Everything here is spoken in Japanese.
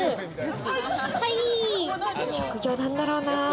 職業なんだろうな？